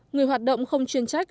người hoạt động không chuyên trách